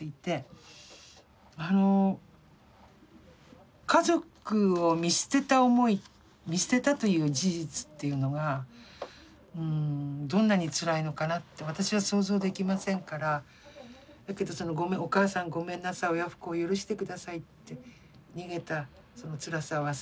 あの家族を見捨てた思い見捨てたという事実っていうのがどんなに辛いのかなって私は想像できませんからだけどその「お母さんごめんなさい親不孝を許してください」って「逃げたその辛さは忘れられない」って